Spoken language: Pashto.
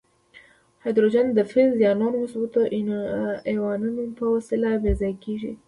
هایدروجن د فلز یا نورو مثبتو آیونونو په وسیله بې ځایه کیږي.